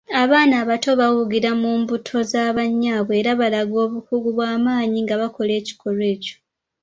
Abaana abato bawugira mu mbuto za bannyaabwe era balaga obukugu bwamaanyi nga bakola ekikolwa ekyo.